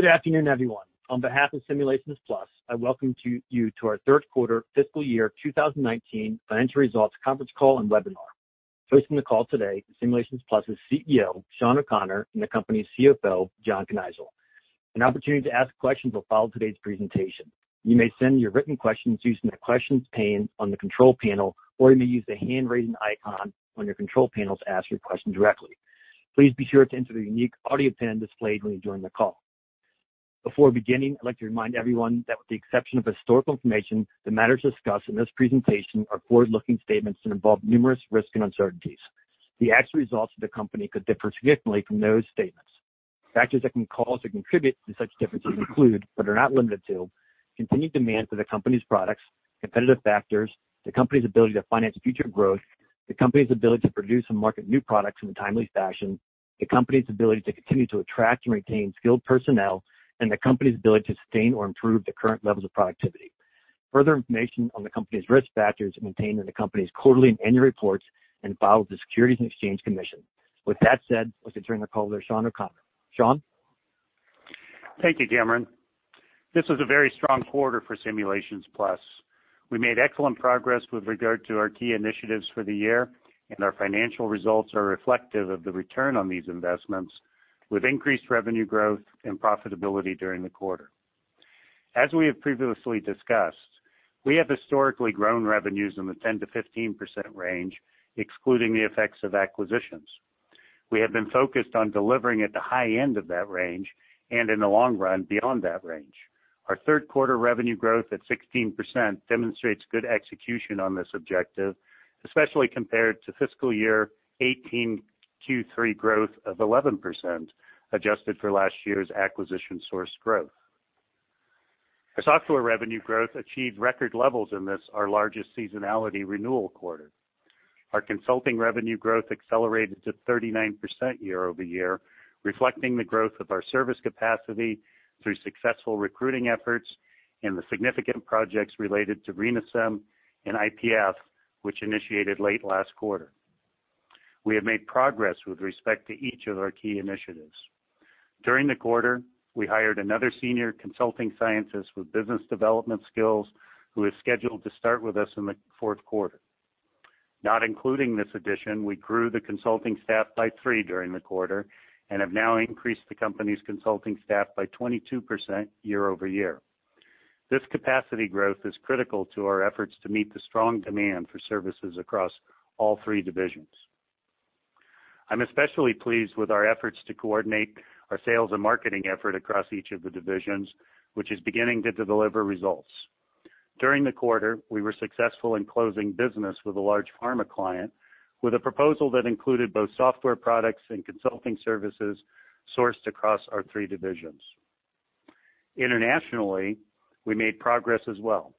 Good afternoon, everyone. On behalf of Simulations Plus, I welcome you to our third quarter fiscal year 2019 financial results conference call and webinar. Hosting the call today, Simulations Plus's CEO, Shawn O'Connor, and the company's CFO, John Kneisel. An opportunity to ask questions will follow today's presentation. You may send your written questions using the questions pane on the control panel, or you may use the hand-raising icon on your control panel to ask your question directly. Please be sure to enter the unique audio PIN displayed when you join the call. Before beginning, I'd like to remind everyone that with the exception of historical information, the matters discussed in this presentation are forward-looking statements that involve numerous risks and uncertainties. The actual results of the company could differ significantly from those statements. Factors that can cause or contribute to such differences include, but are not limited to, continued demand for the company's products, competitive factors, the company's ability to finance future growth, the company's ability to produce and market new products in a timely fashion, the company's ability to continue to attract and retain skilled personnel, and the company's ability to sustain or improve the current levels of productivity. Further information on the company's risk factors are contained in the company's quarterly and annual reports and filed with the Securities and Exchange Commission. With that said, let me turn the call to Shawn O'Connor. Shawn? Thank you, Cameron. This was a very strong quarter for Simulations Plus. We made excellent progress with regard to our key initiatives for the year, and our financial results are reflective of the return on these investments, with increased revenue growth and profitability during the quarter. As we have previously discussed, we have historically grown revenues in the 10%-15% range, excluding the effects of acquisitions. We have been focused on delivering at the high end of that range and, in the long run, beyond that range. Our third quarter revenue growth at 16% demonstrates good execution on this objective, especially compared to fiscal year 2018 Q3 growth of 11%, adjusted for last year's acquisition-sourced growth. Our software revenue growth achieved record levels in this, our largest seasonality renewal quarter. Our consulting revenue growth accelerated to 39% year-over-year, reflecting the growth of our service capacity through successful recruiting efforts and the significant projects related to RENAsym and IPF, which initiated late last quarter. We have made progress with respect to each of our key initiatives. During the quarter, we hired another senior consulting scientist with business development skills who is scheduled to start with us in the fourth quarter. Not including this addition, we grew the consulting staff by three during the quarter and have now increased the company's consulting staff by 22% year-over-year. This capacity growth is critical to our efforts to meet the strong demand for services across all three divisions. I'm especially pleased with our efforts to coordinate our sales and marketing effort across each of the divisions, which is beginning to deliver results. During the quarter, we were successful in closing business with a large pharma client with a proposal that included both software products and consulting services sourced across our three divisions. Internationally, we made progress as well.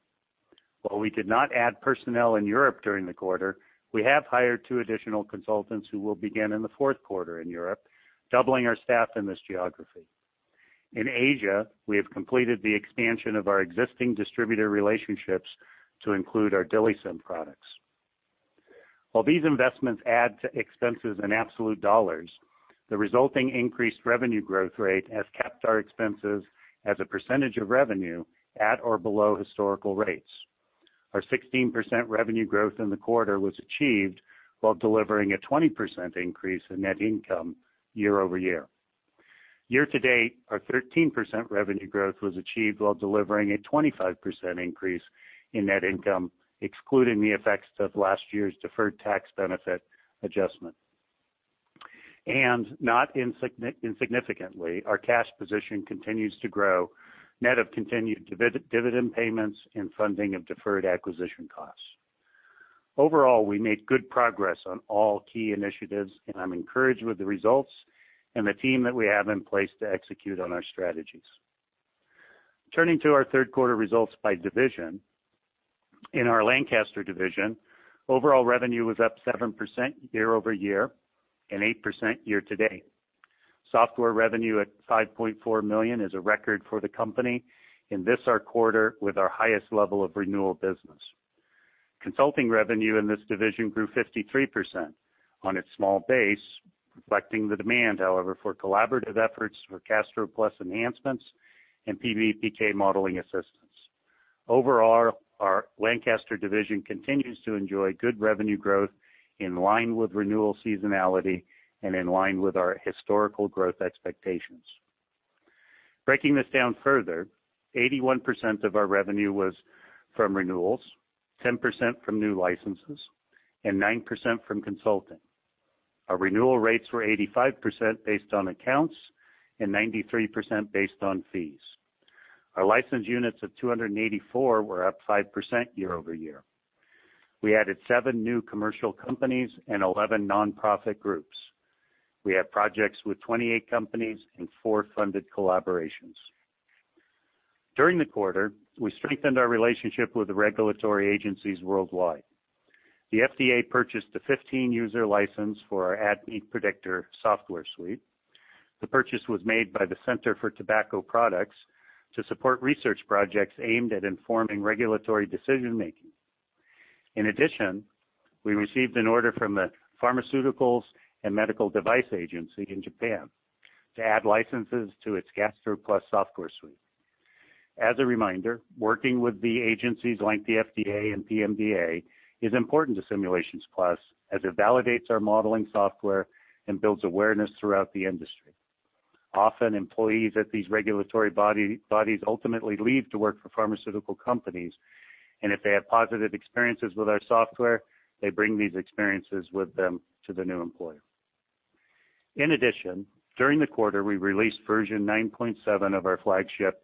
While we did not add personnel in Europe during the quarter, we have hired two additional consultants who will begin in the fourth quarter in Europe, doubling our staff in this geography. In Asia, we have completed the expansion of our existing distributor relationships to include our DILIsym products. While these investments add to expenses in absolute dollars, the resulting increased revenue growth rate has kept our expenses as a percentage of revenue at or below historical rates. Our 16% revenue growth in the quarter was achieved while delivering a 20% increase in net income year-over-year. Year-to-date, our 13% revenue growth was achieved while delivering a 25% increase in net income, excluding the effects of last year's deferred tax benefit adjustment. Not insignificantly, our cash position continues to grow, net of continued dividend payments and funding of deferred acquisition costs. Overall, we made good progress on all key initiatives, and I'm encouraged with the results and the team that we have in place to execute on our strategies. Turning to our third quarter results by division. In our Lancaster division, overall revenue was up 7% year-over-year and 8% year-to-date. Software revenue at $5.4 million is a record for the company in this, our quarter with our highest level of renewal business. Consulting revenue in this division grew 53% on its small base, reflecting the demand, however, for collaborative efforts for GastroPlus enhancements and PBPK modeling assistance. Overall, our Lancaster division continues to enjoy good revenue growth in line with renewal seasonality and in line with our historical growth expectations. Breaking this down further, 81% of our revenue was from renewals, 10% from new licenses, and 9% from consulting. Our renewal rates were 85% based on accounts and 93% based on fees. Our license units of 284 were up 5% year-over-year. We added seven new commercial companies and 11 nonprofit groups. We have projects with 28 companies and four funded collaborations. During the quarter, we strengthened our relationship with the regulatory agencies worldwide. The FDA purchased a 15-user license for our ADMET Predictor software suite. The purchase was made by the Center for Tobacco Products to support research projects aimed at informing regulatory decision-making. In addition, we received an order from the Pharmaceuticals and Medical Devices Agency in Japan to add licenses to its GastroPlus software suite. As a reminder, working with the agencies like the FDA and PMDA is important to Simulations Plus as it validates our modeling software and builds awareness throughout the industry. Often, employees at these regulatory bodies ultimately leave to work for pharmaceutical companies, and if they have positive experiences with our software, they bring these experiences with them to their new employer. In addition, during the quarter, we released version 9.7 of our flagship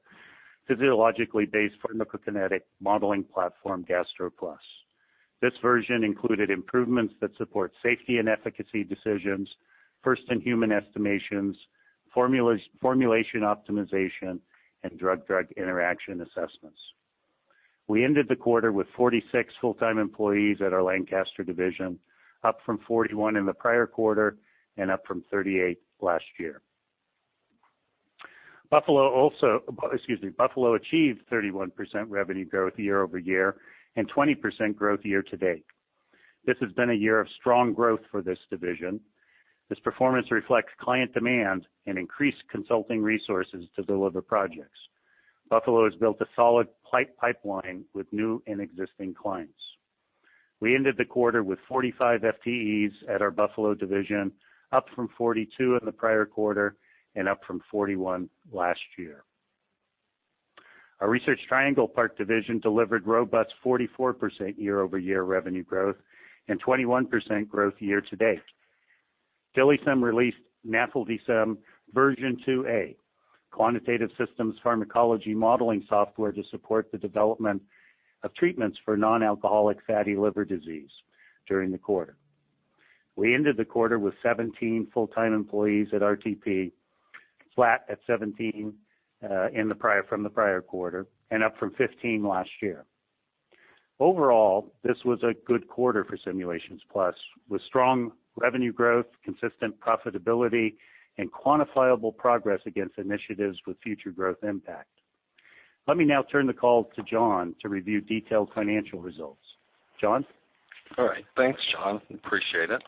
physiologically based pharmacokinetic modeling platform, GastroPlus. This version included improvements that support safety and efficacy decisions, first-in-human estimations, formulation optimization, and drug-drug interaction assessments. We ended the quarter with 46 full-time employees at our Lancaster division, up from 41 in the prior quarter and up from 38 last year. Buffalo achieved 31% revenue growth year-over-year and 20% growth year to date. This has been a year of strong growth for this division. This performance reflects client demand and increased consulting resources to deliver projects. Buffalo has built a solid pipeline with new and existing clients. We ended the quarter with 45 FTEs at our Buffalo division, up from 42 in the prior quarter and up from 41 last year. Our Research Triangle Park division delivered robust 44% year-over-year revenue growth and 21% growth year to date. DILIsym released NAFLDsym version 2A, quantitative systems pharmacology modeling software to support the development of treatments for non-alcoholic fatty liver disease during the quarter. We ended the quarter with 17 full-time employees at RTP, flat at 17 from the prior quarter and up from 15 last year. Overall, this was a good quarter for Simulations Plus, with strong revenue growth, consistent profitability, and quantifiable progress against initiatives with future growth impact. Let me now turn the call to John to review detailed financial results. John? All right. Thanks, Shawn. Appreciate it.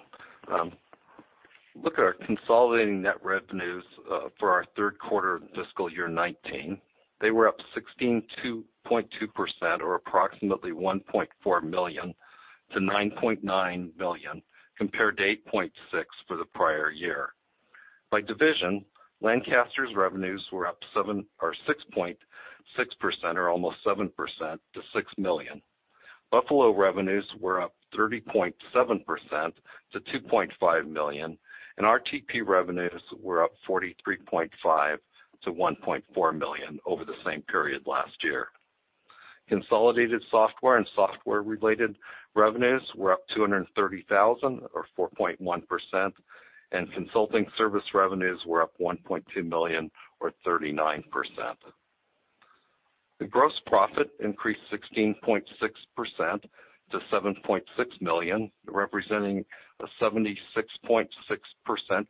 Look at our consolidated net revenues for our third quarter fiscal year 2019. They were up 16.2% or approximately $1.4 million to $9.9 million, compared to $8.6 million for the prior year. By division, Lancaster's revenues were up 6.6% or almost 7% to $6 million. Buffalo revenues were up 30.7% to $2.5 million, and RTP revenues were up 43.5% to $1.4 million over the same period last year. Consolidated software and software-related revenues were up $230,000 or 4.1%, and consulting service revenues were up $1.2 million or 39%. The gross profit increased 16.6% to $7.6 million, representing a 76.6%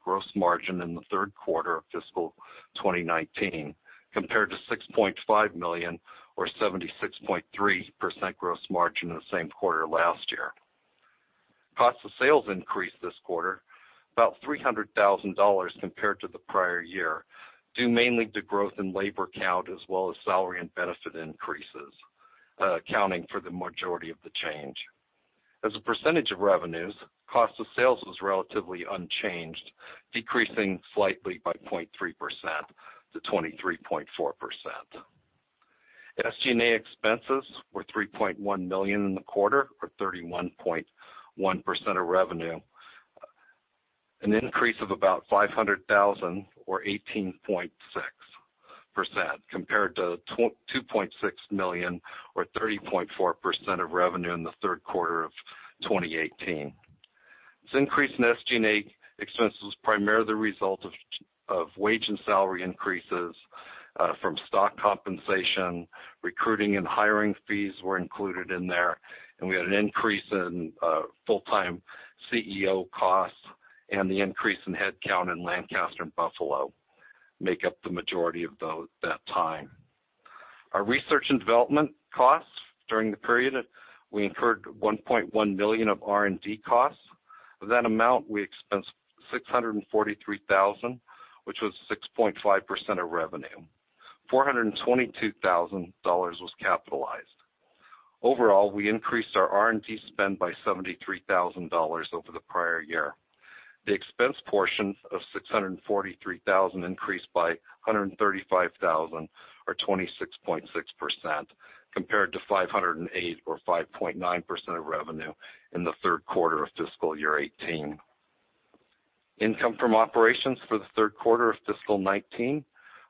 gross margin in the third quarter of fiscal 2019, compared to $6.5 million or 76.3% gross margin in the same quarter last year. Cost of sales increased this quarter, about $300,000 compared to the prior year, due mainly to growth in labor count as well as salary and benefit increases, accounting for the majority of the change. As a percentage of revenues, cost of sales was relatively unchanged, decreasing slightly by 0.3% to 23.4%. SG&A expenses were $3.1 million in the quarter or 31.1% of revenue, an increase of about $500,000 or 18.6%, compared to $2.6 million or 30.4% of revenue in the third quarter of 2018. This increase in SG&A expenses was primarily the result of wage and salary increases from stock compensation. Recruiting and hiring fees were included in there, and we had an increase in full-time CEO costs and the increase in headcount in Lancaster and Buffalo make up the majority of that time. Our research and development costs during the period, we incurred $1.1 million of R&D costs. Of that amount, we expensed $643,000, which was 6.5% of revenue. $422,000 was capitalized. Overall, we increased our R&D spend by $73,000 over the prior year. The expense portion of $643,000 increased by $135,000 or 26.6%, compared to $508 or 5.9% of revenue in the third quarter of fiscal year 2018. Income from operations for the third quarter of fiscal 2019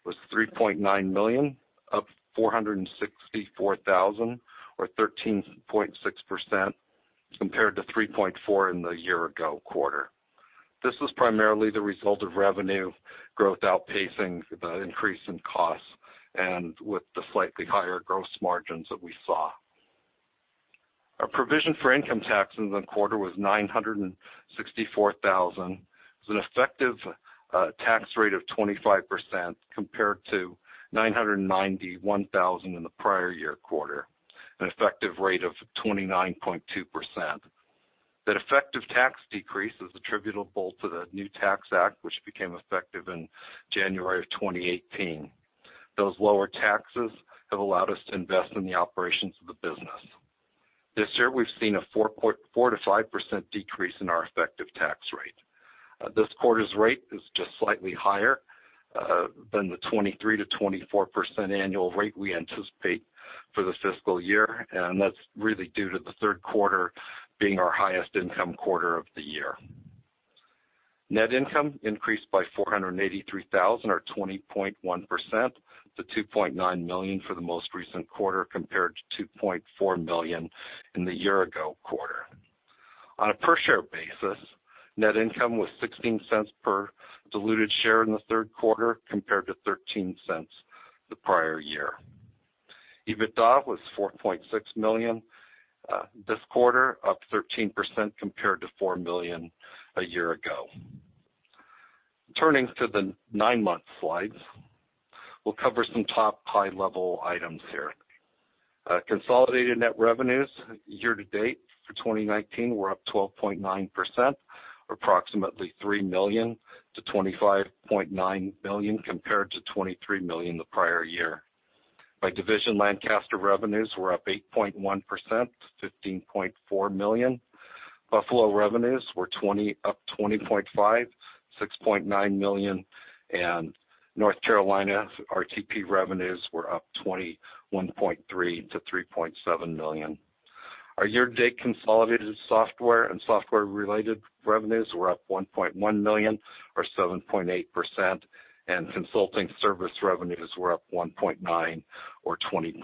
was $3.9 million, up $464,000 or 13.6%, compared to $3.4 million in the year ago quarter. This was primarily the result of revenue growth outpacing the increase in costs and with the slightly higher gross margins that we saw. Our provision for income taxes in the quarter was $964,000 with an effective tax rate of 25%, compared to $991,000 in the prior year quarter, an effective rate of 29.2%. The effective tax decrease is attributable to the new Tax Act, which became effective in January of 2018. Lower taxes have allowed us to invest in the operations of the business. This year, we've seen a 4%-5% decrease in our effective tax rate. This quarter's rate is just slightly higher than the 23%-24% annual rate we anticipate for the fiscal year, and that's really due to the third quarter being our highest income quarter of the year. Net income increased by $483,000 or 20.1% to $2.9 million for the most recent quarter, compared to $2.4 million in the year ago quarter. On a per-share basis, net income was $0.16 per diluted share in the third quarter, compared to $0.13 the prior year. EBITDA was $4.6 million this quarter, up 13%, compared to $4 million a year ago. Turning to the nine-month slides. We'll cover some top high-level items here. Consolidated net revenues year to date for 2019 were up 12.9%, or approximately $3 million to $25.9 million, compared to $23 million the prior year. By division, Lancaster revenues were up 8.1%, $15.4 million. Buffalo revenues were up 20.5%, $6.9 million, North Carolina RTP revenues were up 21.3% to $3.7 million. Our year-to-date consolidated software and software-related revenues were up $1.1 million or 7.8%, consulting service revenues were up $1.9 or 20.3%.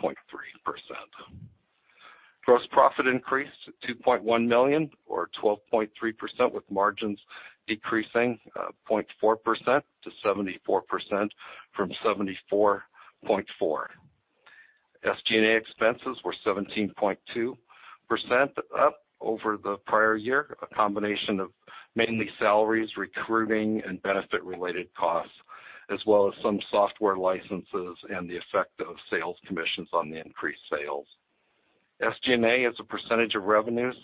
Gross profit increased to $2.1 million or 12.3%, with margins decreasing 0.4% to 74% from 74.4%. SG&A expenses were 17.2% up over the prior year, a combination of mainly salaries, recruiting, and benefit-related costs, as well as some software licenses and the effect of sales commissions on the increased sales. SG&A as a percentage of revenues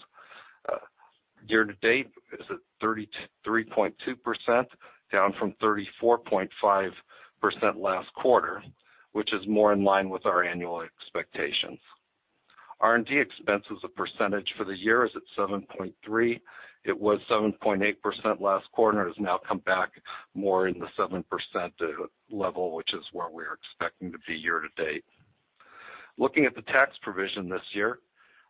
year to date is at 33.2%, down from 34.5% last quarter, which is more in line with our annual expectations. R&D expense as a percentage for the year is at 7.3%. It was 7.8% last quarter, has now come back more in the 7% level, which is where we are expecting to be year to date. Looking at the tax provision this year,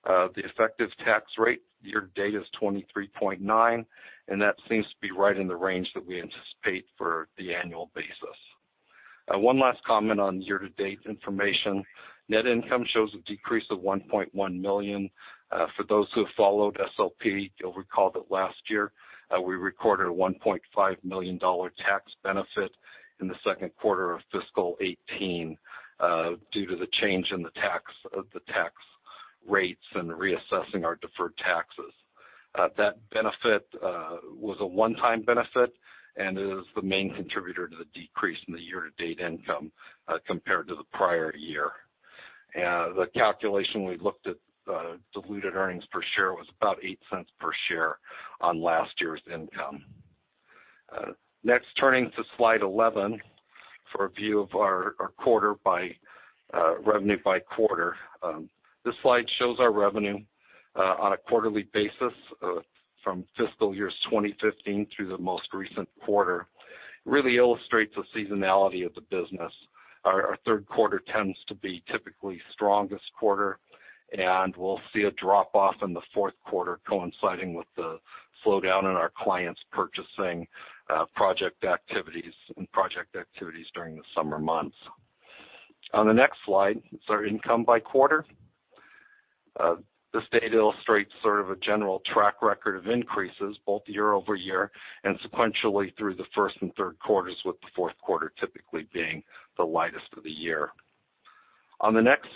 the effective tax rate year to date is 23.9%, that seems to be right in the range that we anticipate for the annual basis. One last comment on year-to-date information. Net income shows a decrease of $1.1 million. For those who have followed SLP, you'll recall that last year we recorded a $1.5 million tax benefit in the second quarter of fiscal 2018 due to the change in the tax rates and reassessing our deferred taxes. The benefit was a one-time benefit and is the main contributor to the decrease in the year-to-date income compared to the prior year. The calculation we looked at, diluted earnings per share was about $0.08 per share on last year's income. Next, turning to slide 11 for a view of our revenue by quarter. This slide shows our revenue on a quarterly basis from fiscal years 2015 through the most recent quarter. Really illustrates the seasonality of the business. Our third quarter tends to be typically strongest quarter, and we'll see a drop-off in the fourth quarter coinciding with the slowdown in our clients purchasing project activities and project activities during the summer months. On the next slide is our income by quarter. This data illustrates sort of a general track record of increases both year-over-year and sequentially through the first and third quarters, with the fourth quarter typically being the lightest of the year. On the next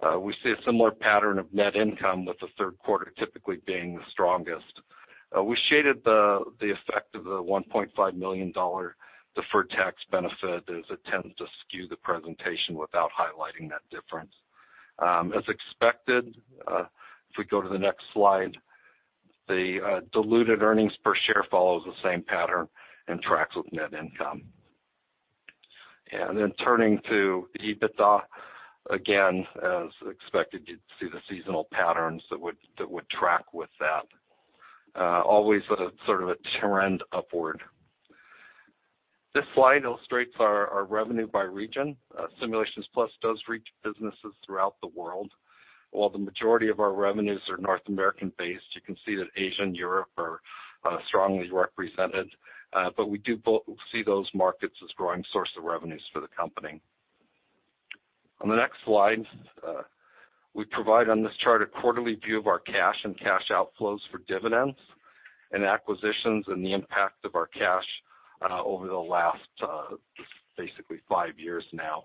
slide, we see a similar pattern of net income, with the third quarter typically being the strongest. We shaded the effect of the $1.5 million deferred tax benefit, as it tends to skew the presentation without highlighting that difference. As expected, if we go to the next slide, the diluted earnings per share follows the same pattern and tracks with net income. Turning to the EBITDA. Again, as expected, you'd see the seasonal patterns that would track with that. Always sort of a trend upward. This slide illustrates our revenue by region. Simulations Plus does reach businesses throughout the world. While the majority of our revenues are North American-based, you can see that Asia and Europe are strongly represented. We do see those markets as growing source of revenues for the company. On the next slide, we provide on this chart a quarterly view of our cash and cash outflows for dividends and acquisitions and the impact of our cash over the last, basically five years now.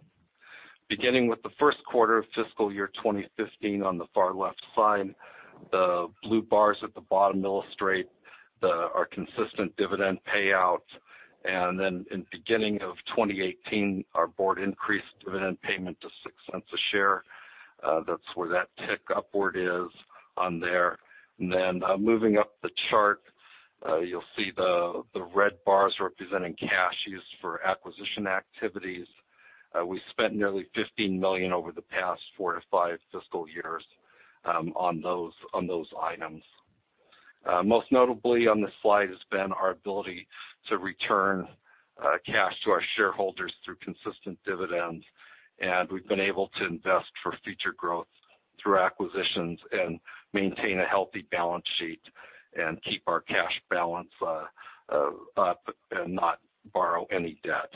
Beginning with the first quarter of fiscal year 2015 on the far left side, the blue bars at the bottom illustrate our consistent dividend payouts and then in beginning of 2018, our board increased dividend payment to $0.06 a share. That's where that tick upward is on there. Moving up the chart, you'll see the red bars representing cash used for acquisition activities. We spent nearly $15 million over the past four to five fiscal years on those items. Most notably on this slide has been our ability to return cash to our shareholders through consistent dividends. We've been able to invest for future growth through acquisitions and maintain a healthy balance sheet and keep our cash balance up and not borrow any debt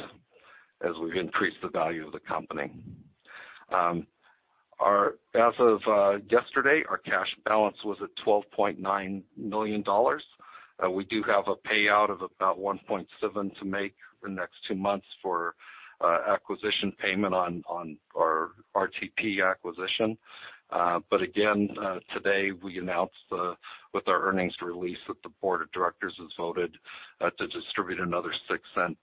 as we've increased the value of the company. As of yesterday, our cash balance was at $12.9 million. We do have a payout of about $1.7 to make for the next two months for acquisition payment on our RTP acquisition. Again, today we announced with our earnings release that the board of directors has voted to distribute another $0.06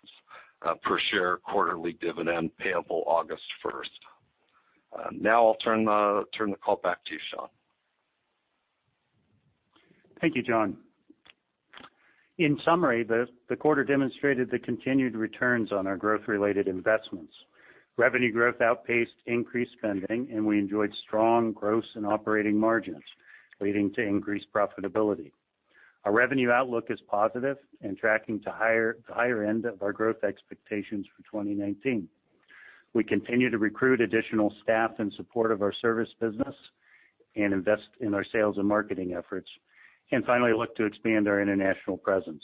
per share quarterly dividend payable August 1st. I'll turn the call back to you, Shawn. Thank you, John. In summary, the quarter demonstrated the continued returns on our growth-related investments. Revenue growth outpaced increased spending. We enjoyed strong gross and operating margins, leading to increased profitability. Our revenue outlook is positive and tracking to higher end of our growth expectations for 2019. We continue to recruit additional staff in support of our service business and invest in our sales and marketing efforts, and finally look to expand our international presence.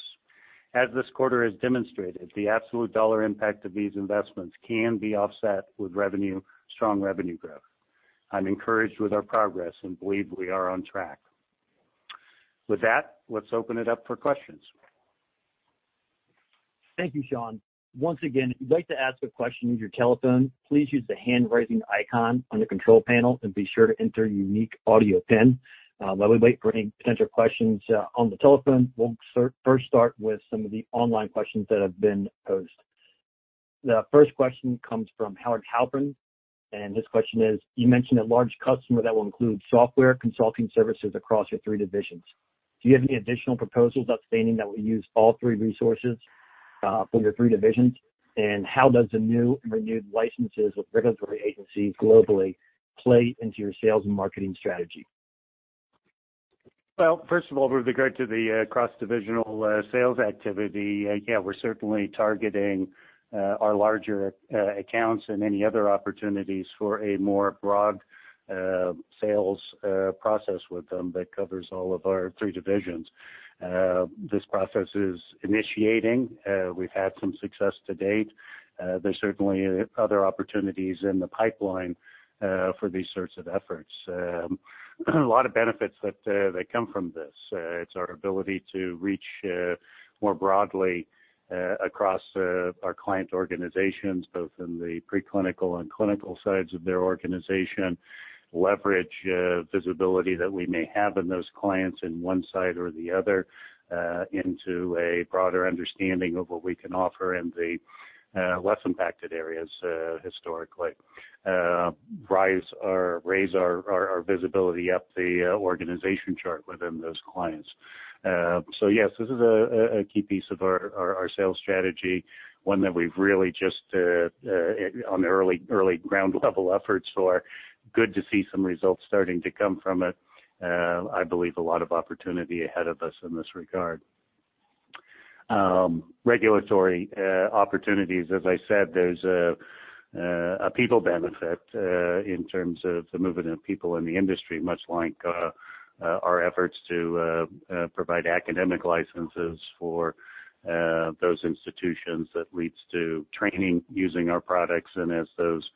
As this quarter has demonstrated, the absolute dollar impact of these investments can be offset with strong revenue growth. I'm encouraged with our progress and believe we are on track. With that, let's open it up for questions. Thank you, Sean. Once again, if you'd like to ask a question, use your telephone. Please use the hand-raising icon on the control panel and be sure to enter your unique audio pin. While we wait for any potential questions on the telephone, we'll first start with some of the online questions that have been posed. The first question comes from Howard Halpern, and his question is, "You mentioned a large customer that will include software consulting services across your three divisions. Do you have any additional proposals outstating that will use all three resources for your three divisions? How does the new and renewed licenses with regulatory agencies globally play into your sales and marketing strategy? First of all, with regard to the cross-divisional sales activity, we're certainly targeting our larger accounts and any other opportunities for a more broad sales process with them that covers all of our three divisions. This process is initiating. We've had some success to date. There's certainly other opportunities in the pipeline for these sorts of efforts. A lot of benefits that come from this. It's our ability to reach more broadly across our client organizations, both in the preclinical and clinical sides of their organization, leverage visibility that we may have in those clients in one side or the other into a broader understanding of what we can offer in the less impacted areas historically. Raise our visibility up the organization chart within those clients. Yes, this is a key piece of our sales strategy, one that we've really just on early ground-level efforts for. Good to see some results starting to come from it. I believe a lot of opportunity ahead of us in this regard. Regulatory opportunities, as I said, there's a people benefit in terms of the movement of people in the industry, much like our efforts to provide academic licenses for those institutions. That leads to training using our products and as those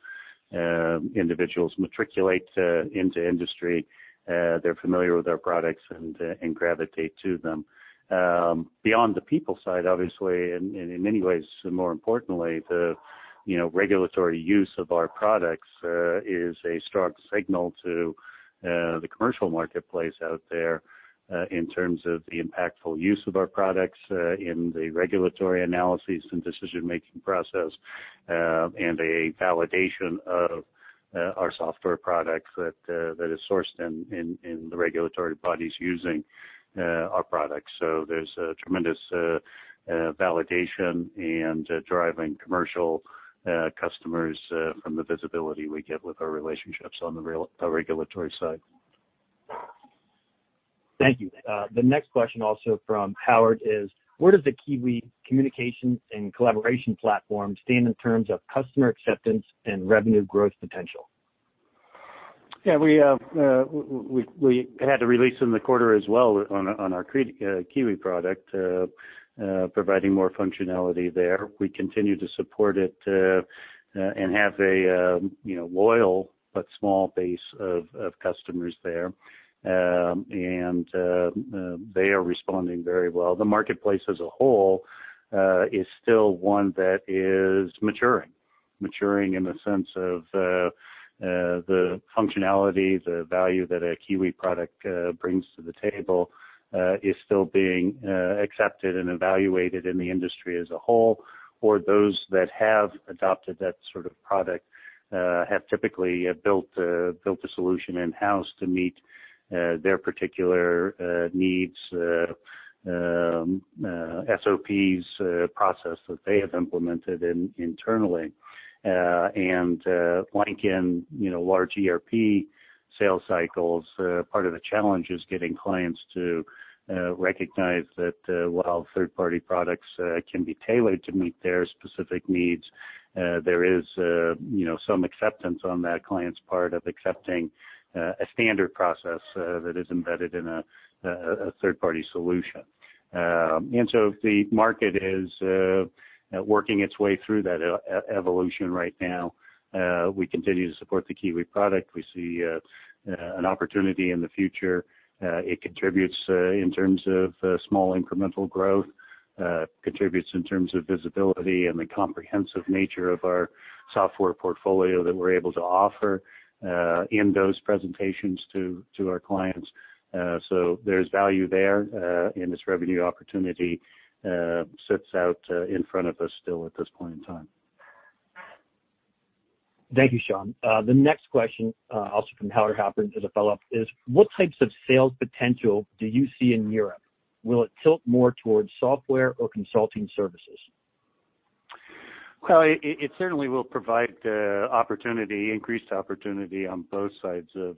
individuals matriculate into industry, they're familiar with our products and gravitate to them. Beyond the people side, obviously, and in many ways, more importantly, the regulatory use of our products is a strong signal to the commercial marketplace out there in terms of the impactful use of our products in the regulatory analysis and decision-making process and a validation of our software products that is sourced in the regulatory bodies using our products. there's a tremendous validation and driving commercial customers from the visibility we get with our relationships on the regulatory side. Thank you. The next question also from Howard is, "Where does the KIWI communications and collaboration platform stand in terms of customer acceptance and revenue growth potential? Yeah. We had a release in the quarter as well on our KIWI product, providing more functionality there. We continue to support it and have a loyal but small base of customers there. They are responding very well. The marketplace as a whole is still one that is maturing. Maturing in the sense of the functionality, the value that a KIWI product brings to the table is still being accepted and evaluated in the industry as a whole, or those that have adopted that sort of product have typically built a solution in-house to meet their particular needs, SOPs, process that they have implemented internally. Like in large ERP sales cycles, part of the challenge is getting clients to recognize that while third-party products can be tailored to meet their specific needs, there is some acceptance on that client's part of accepting a standard process that is embedded in a third-party solution. The market is working its way through that evolution right now. We continue to support the KIWI product. We see an opportunity in the future. It contributes in terms of small incremental growth, contributes in terms of visibility and the comprehensive nature of our software portfolio that we're able to offer in those presentations to our clients. there's value there, and this revenue opportunity sits out in front of us still at this point in time. Thank you, Shawn. The next question, also from Howard Halpern as a follow-up is, what types of sales potential do you see in Europe? Will it tilt more towards software or consulting services? Well, it certainly will provide increased opportunity on both sides of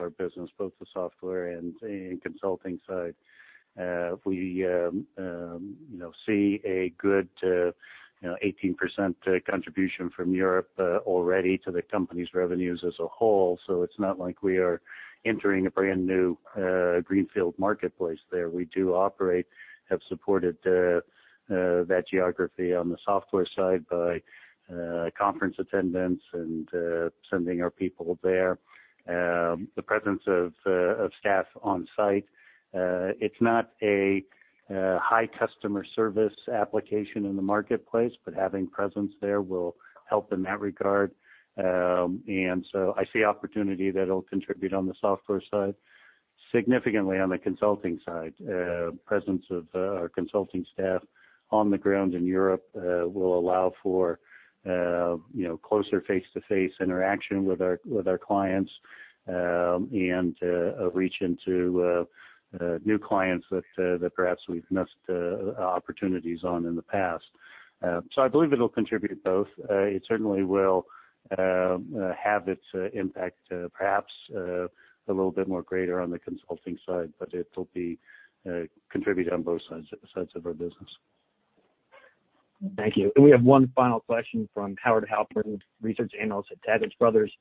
our business, both the software and consulting side. We see a good 18% contribution from Europe already to the company's revenues as a whole, so it's not like we are entering a brand new greenfield marketplace there. We do operate, have supported that geography on the software side by conference attendance and sending our people there. The presence of staff on site. It's not a high customer service application in the marketplace, but having presence there will help in that regard. I see opportunity that it'll contribute on the software side, significantly on the consulting side. Presence of our consulting staff on the ground in Europe will allow for closer face-to-face interaction with our clients, and a reach into new clients that perhaps we've missed opportunities on in the past. I believe it'll contribute both. It certainly will have its impact, perhaps a little bit more greater on the consulting side, but it'll contribute on both sides of our business. Thank you. We have one final question from Howard Halpern, research analyst at Taglich Brothers.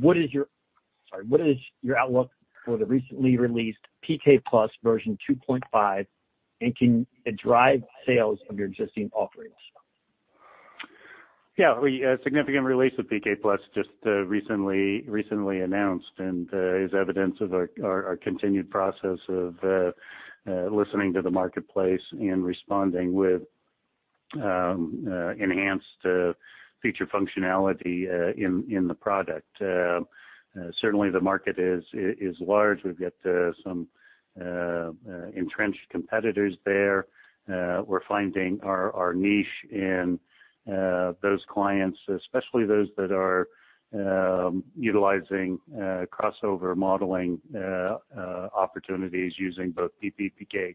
What is your outlook for the recently released PKPlus version 2.5, and can it drive sales of your existing offerings? Yeah. A significant release with PKPlus just recently announced, and is evidence of our continued process of listening to the marketplace and responding with enhanced feature functionality in the product. Certainly, the market is large. We've got some entrenched competitors there. We're finding our niche in those clients, especially those that are utilizing crossover modeling opportunities using both PBPK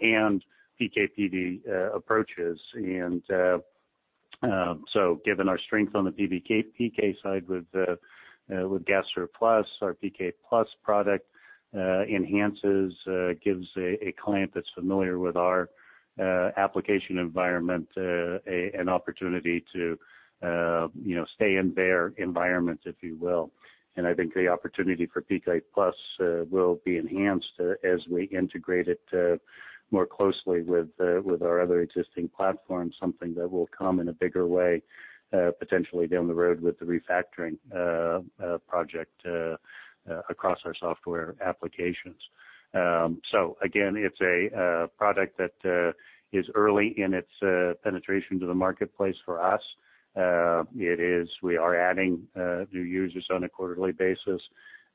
and PK/PD approaches. And so given our strength on the PBPK side with GastroPlus, our PKPlus product enhances, gives a client that's familiar with our application environment an opportunity to stay in their environment, if you will. And I think the opportunity for PKPlus will be enhanced as we integrate it more closely with our other existing platforms, something that will come in a bigger way, potentially down the road with the refactoring project across our software applications. Again, it's a product that is early in its penetration to the marketplace for us. We are adding new users on a quarterly basis,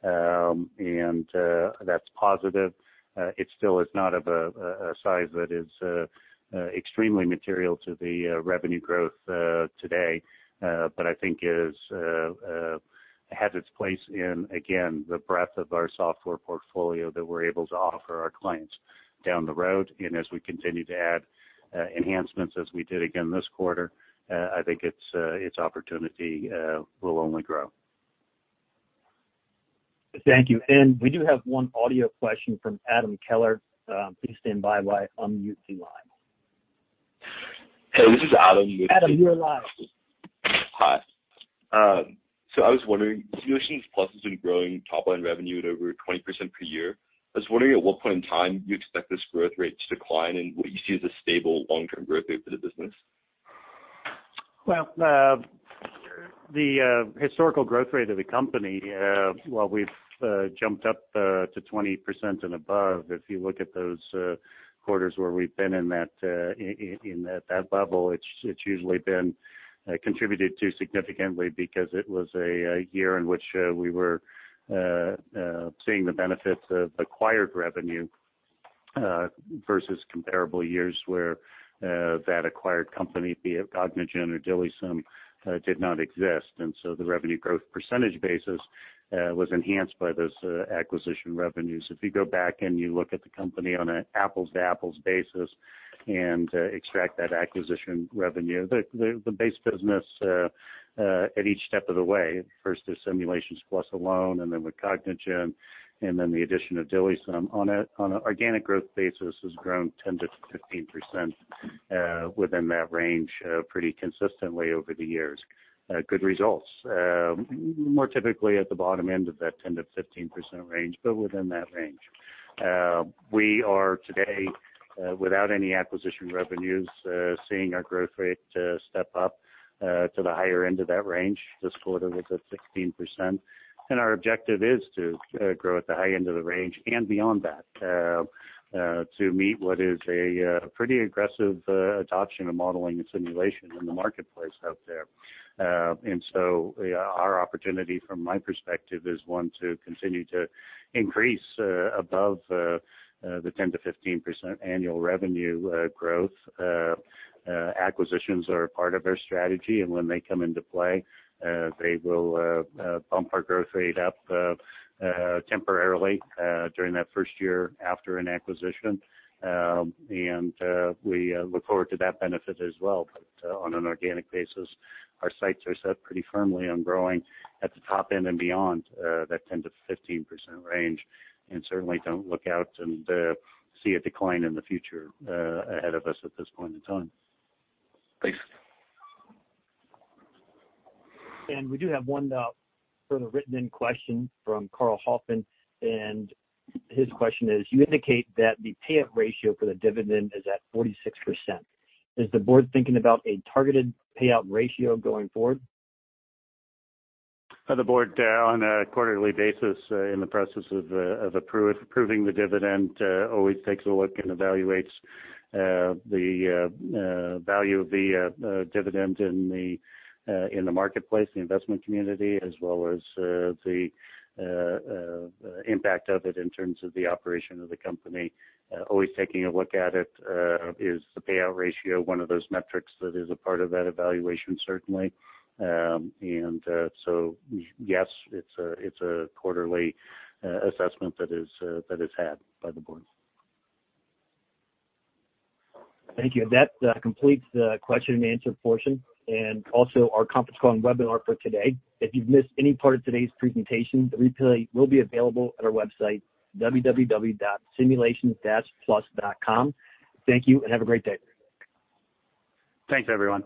and that's positive. It still is not of a size that is extremely material to the revenue growth today. But I think has its place in, again, the breadth of our software portfolio that we're able to offer our clients down the road. And as we continue to add enhancements as we did again this quarter, I think its opportunity will only grow. Thank you. And we do have one audio question from Adam Keller. Please stand by while I unmute the line. Hey, this is Adam with- Adam, you are live. Hi. I was wondering, Simulations Plus has been growing top-line revenue at over 20% per year. I was wondering at what point in time you expect this growth rate to decline, and what you see as a stable long-term growth rate for the business? The historical growth rate of the company, while we've jumped up to 20% and above, if you look at those quarters where we've been in that level, it's usually been contributed to significantly because it was a year in which we were seeing the benefits of acquired revenue versus comparable years where that acquired company, be it Cognigen or DILIsym, did not exist. The revenue growth percentage basis was enhanced by those acquisition revenues. If you go back and you look at the company on an apples-to-apples basis and extract that acquisition revenue, the base business at each step of the way, first as Simulations Plus alone and then with Cognigen, and then the addition of DILIsym on an organic growth basis has grown 10%-15% within that range pretty consistently over the years. Good results. More typically at the bottom end of that 10%-15% range, but within that range. We are today, without any acquisition revenues, seeing our growth rate step up to the higher end of that range. This quarter was at 16%. Our objective is to grow at the high end of the range and beyond that to meet what is a pretty aggressive adoption of modeling and simulation in the marketplace out there. Our opportunity, from my perspective, is one to continue to increase above the 10%-15% annual revenue growth. Acquisitions are a part of our strategy, and when they come into play, they will bump our growth rate up temporarily during that first year after an acquisition. We look forward to that benefit as well. On an organic basis, our sights are set pretty firmly on growing at the top end and beyond that 10%-15% range, certainly don't look out and see a decline in the future ahead of us at this point in time. Thanks. We do have one further written in question from Karl Hopkin, his question is: You indicate that the payout ratio for the dividend is at 46%. Is the board thinking about a targeted payout ratio going forward? The board, on a quarterly basis in the process of approving the dividend, always takes a look and evaluates the value of the dividend in the marketplace, the investment community, as well as the impact of it in terms of the operation of the company. Always taking a look at it. Is the payout ratio one of those metrics that is a part of that evaluation? Certainly. Yes, it's a quarterly assessment that is had by the board. Thank you. That completes the question and answer portion and also our conference call and webinar for today. If you've missed any part of today's presentation, the replay will be available at our website, www.simulations-plus.com. Thank you and have a great day. Thanks, everyone.